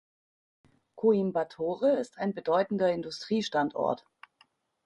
Coimbatore ist ein bedeutender Industriestandort.